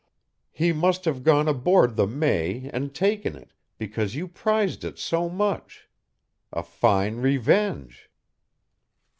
"He must have gone aboard the May and taken it, because you prized it so much. A fine revenge!"